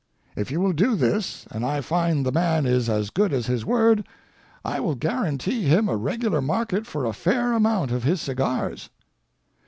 If you will do this and I find the man is as good as his word, I will guarantee him a regular market for a fair amount of his cigars."